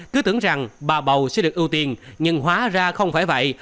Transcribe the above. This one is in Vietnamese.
cứ tưởng rằng bà bầu sẽ được ưu tiên nhưng hóa ra không phải vậy